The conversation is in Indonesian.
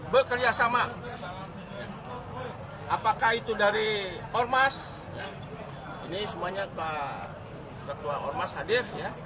berkerjasama apakah itu dari ormas ini semuanya ke ketua ormas hadir